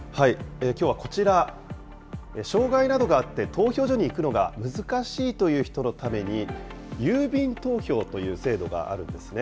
きょうはこちら、障害などがあって、投票所に行くのが難しいという人のために、郵便投票という制度があるんですね。